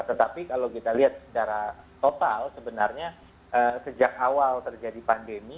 tetapi kalau kita lihat secara total sebenarnya sejak awal terjadi pandemi